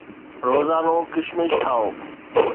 روزانو ڪشمش کائو